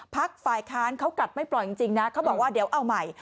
ฝ่ายค้านเขากัดไม่ปล่อยจริงนะเขาบอกว่าเดี๋ยวเอาใหม่